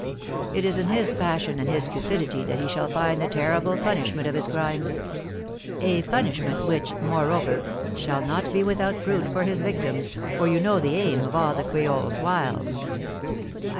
It is in his passion and his cupidity that he shall find the terrible punishment of his crimes, a punishment which, moreover, shall not be without fruit for his victims, for you know the aim of all the Creole's wiles."